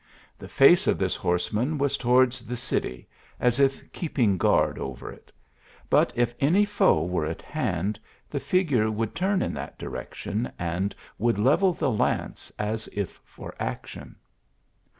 The face of this horseman was towards the city, as if keeping guard over it ; but if any foe were at hand, the figure would turn in that direction and would level the lance as if for action.